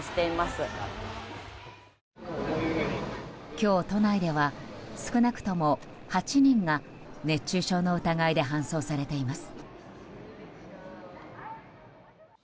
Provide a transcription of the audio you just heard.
今日都内では少なくとも８人が熱中症の疑いで搬送されています。